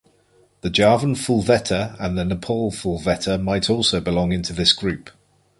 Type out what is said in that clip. The Javan fulvetta and the Nepal fulvetta might also belong into this group.